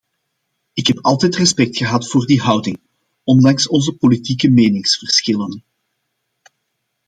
Ik heb altijd respect gehad voor die houding, ondanks onze politieke meningsverschillen.